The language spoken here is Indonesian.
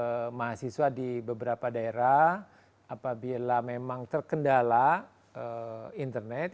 kepada mahasiswa di beberapa daerah apabila memang terkendala internet